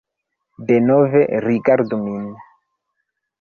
Denove rigardu min.